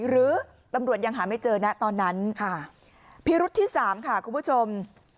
หรือตำรวจยังหาไม่เจอนะตอนนั้นค่ะพิรุษที่สามค่ะคุณผู้ชม